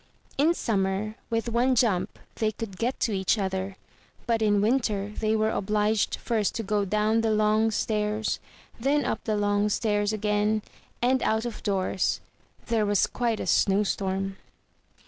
In summer, with one jump, they could get to each other; but in winter they were obliged first to go down the long stairs, and then up the long stairs again, and out of doors there was quite a snow storm.